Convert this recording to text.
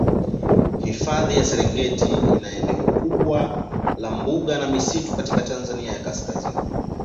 Hifadhi ya Serengeti ni eneo kubwa la mbuga na misitu katika Tanzania ya kaskazini